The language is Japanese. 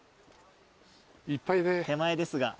手前ですが。